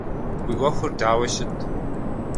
Уи ӏуэхур дауэ щыт?